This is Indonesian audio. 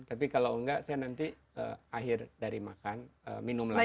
tapi kalau enggak saya nanti akhir dari makan minum lagi